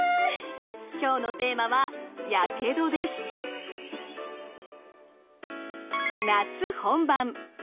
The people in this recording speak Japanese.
今日のテーマは夏本番！